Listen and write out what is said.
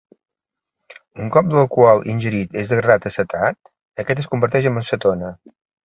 Un cop l'alcohol ingerit és degradat a acetat, aquest es converteix amb cetona.